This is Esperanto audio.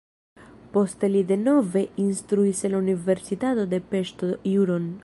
Poste li denove instruis en la universitato de Peŝto juron.